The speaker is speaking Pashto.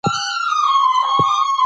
پابندی غرونه د افغانستان طبعي ثروت دی.